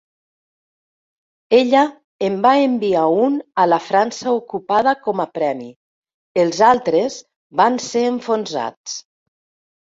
Ella en va enviar un a la França ocupada com a premi; els altres van ser enfonsats.